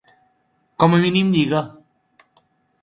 Com a mínim lliga.